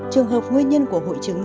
trường hợp nguyên nhân của hội chứng